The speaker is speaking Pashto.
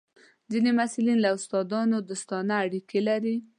ځینې محصلین له استادانو دوستانه اړیکې لري.